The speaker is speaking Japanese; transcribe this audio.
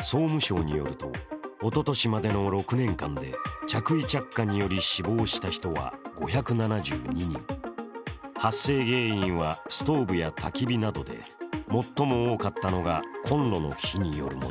総務省によると、おととしまでの６年間で着衣着火により死亡した人は５７２人発生原因はストーブやたき火などで、最も多かったのがコンロの火によるもの。